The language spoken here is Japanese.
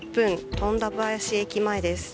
富田林駅前です。